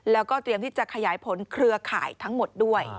แล้วก็เตรียมที่จะขยายผลเครือข่ายทั้งหมดด้วย